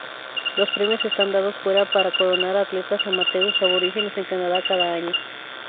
Los premios están dados fuera para coronar atletas amateurs Aborígenes en Canadá cada año.